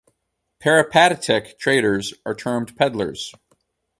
Peripatetic traders are termed pedlars.